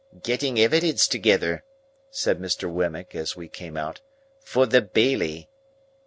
"Getting evidence together," said Mr. Wemmick, as we came out, "for the Bailey."